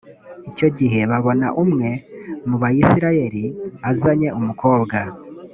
icyo gihe babona umwe mu bayisraheli azanye umukobwa.